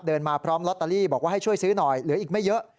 มาพร้อมลอตเตอรี่บอกว่าให้ช่วยซื้อหน่อยเหลืออีกไม่เยอะ